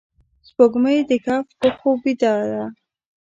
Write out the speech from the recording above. سپوږمۍ د کهف په خوب بیده ده